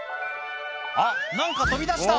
あっ何か飛び出した！